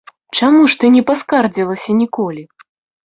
Чаму ж ты не паскардзілася ніколі?